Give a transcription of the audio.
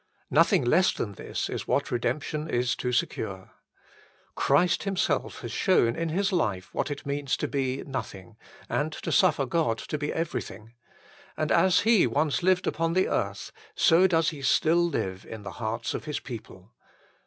Nothing less than this is what redemption is to secure. Christ Himself has shown in His life what it means to be nothing, and to suffer God to be everything ; and as He once lived upon the earth, so does He still live in the hearts of His people.